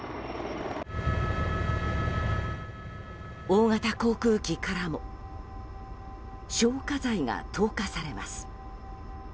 大型航空機からも消火剤が投下されます。